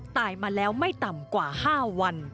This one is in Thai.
ตายมาแล้วไม่ต่ำกว่า๕วัน